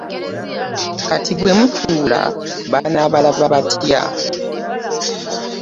Kati bwe mutuula banaabalaba batya?